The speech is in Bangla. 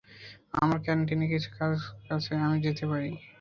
আমার ক্যান্টিনে কিছু কাজ আছে আমি যেতে পারি?